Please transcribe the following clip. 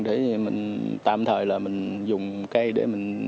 để mình tạm thời là mình dùng cây để mình